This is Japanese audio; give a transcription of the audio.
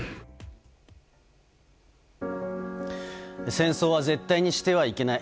戦争は絶対にしてはいけない。